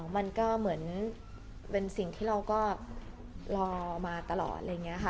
มันก็เหมือนเป็นสิ่งที่เราก็รอมาตลอดอะไรอย่างนี้ค่ะ